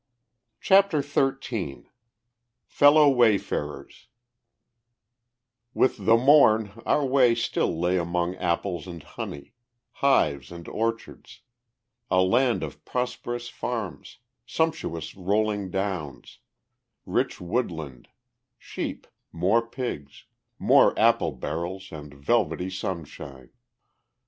CHAPTER XIII FELLOW WAYFARERS With the morn our way still lay among apples and honey, hives and orchards; a land of prosperous farms, sumptuous rolling downs, rich woodland, sheep, more pigs, more apple barrels and velvety sunshine.